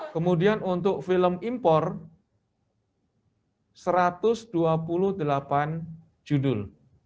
kemudian untuk film impor satu ratus dua puluh delapan judul